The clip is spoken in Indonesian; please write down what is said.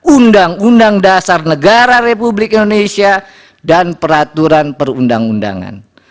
undang undang dasar negara republik indonesia dan peraturan perundang undangan